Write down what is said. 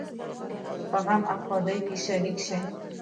په غم او ښادۍ کې شریک شئ